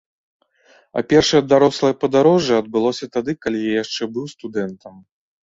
А першае дарослае падарожжа адбылося тады, калі я яшчэ быў студэнтам.